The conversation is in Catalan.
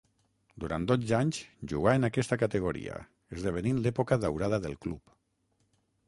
Durant dotze anys jugà en aquesta categoria, esdevenint l'època daurada del club.